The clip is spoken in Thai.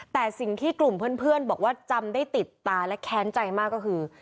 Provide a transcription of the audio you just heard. แต่สิ่งที่กลุ่มเพื่อนบอกว่าจำได้ติดตาและแค้นใจมากก็คือ